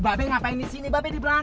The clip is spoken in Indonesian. babe ngapain disini babe di belakang